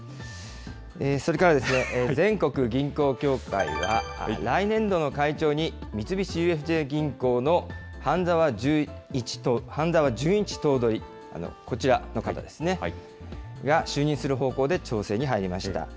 それからですね、全国銀行協会は来年度の会長に、三菱ＵＦＪ銀行の半沢淳一頭取、こちらの方ですね、が就任する方向で調整に入りました。